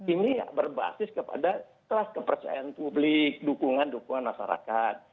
ini berbasis kepada kelas kepercayaan publik dukungan dukungan masyarakat